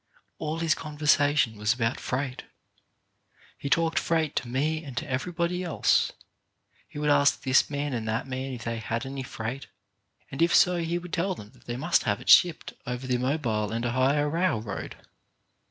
All his con versation was about freight. He talked freight to me and to everybody else. He would ask this man and that man if they had any freight, and if so he would tell them that they must have it shipped over the Mobile and Ohio railroad.